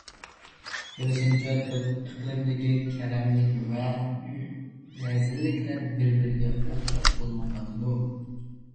بىلىشىمچە، تۆت ئىقلىمدىكى كەرەملىك ۋە رەزىللىكلەر بىر - بىرىگە ئوخشاش بولمايۋاتىدۇ.